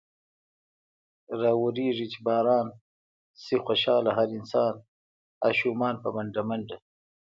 راورېږي چې باران۔ شي خوشحاله هر انسان ـ اشومان په منډه منډه ـ